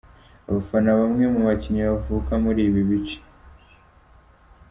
Abafana ba bamwe mu bakinnyi bavuka muri ibi bice .